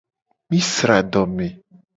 Mi sra adome.